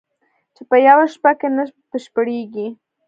چې په یوه شپه کې نه بشپړېږي